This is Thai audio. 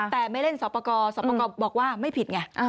แต่ไม่เล่นสอบประกอบสอบประกอบบอกว่าไม่ผิดไง